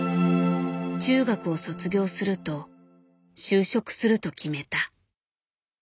中学を卒業すると就職すると決めた。